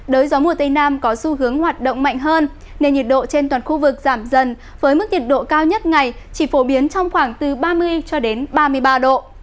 đới gió mùa tây nam có xu hướng hoạt động mạnh hơn nên nhiệt độ trên toàn khu vực giảm dần với mức nhiệt độ cao nhất ngày chỉ phổ biến trong khoảng từ ba mươi cho đến ba mươi ba độ